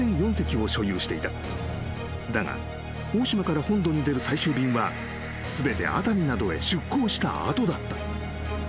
［だが大島から本土に出る最終便は全て熱海などへ出航した後だった］